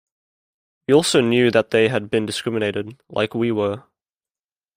We also knew that they had been discriminated, like we were.